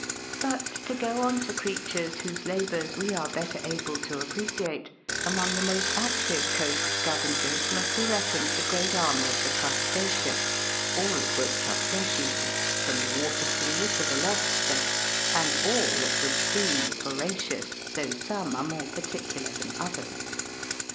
But, to go on to creatures whose labours we are better able to appreciate, among the most active coast scavengers must be reckoned the great army of the Crustacea, all of which are flesh eaters, from the water flea to the lobster, and all, it would seem, voracious, though some are more par ticular than others.